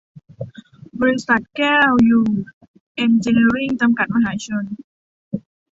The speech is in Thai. บริษัท แก้วอยู่เอ็นจิเนียริ่ง จำกัด มหาชน